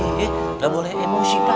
dan tidak boleh emosi pak